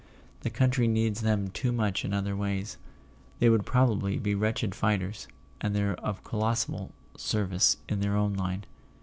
The country needs them too much in other ways; they would probably be wretched fighters, and they're of colossal service in their own line.